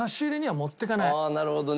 ああなるほどね。